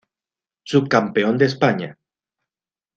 Subcampeón de España